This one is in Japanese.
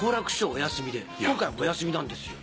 お休みで今回もお休みなんですよ。